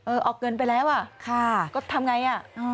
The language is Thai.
ออกเงินไปแล้วอ่ะค่ะก็ทำไงอ่ะ